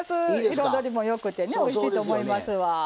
彩りもよくておいしいと思いますわ。